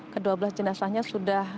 kedua belas jenazahnya sudah